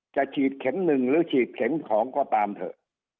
จะฉีดเข็ม๑หรือฉีดเข็ม๒ก็ตามเถอะ